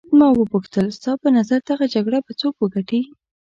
ما وپوښتل ستا په نظر دغه جګړه به څوک وګټي.